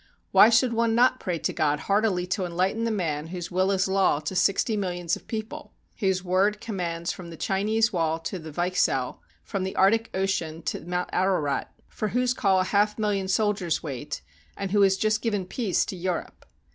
Why should one not pray to God heartily to enlighten the man whose will is law to sixty millions of people, whose word commands from the Chi nese wall to the Weichsel, from the Arctic Ocean to Mount Ararat; for whose call a half million soldiers wait, and who has just given peace to Europe?